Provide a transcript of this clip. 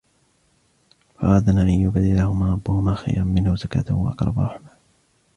فأردنا أن يبدلهما ربهما خيرا منه زكاة وأقرب رحما